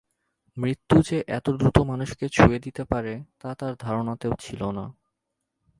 মৃত্যু যে এত দ্রুত মানুষকে ছুঁয়ে দিতে পারে তা তার ধারণাতেও ছিল না।